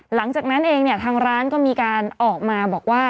หลังจากนั้นเองเนี่ยทางร้านก็มีการออกมาบอกว่า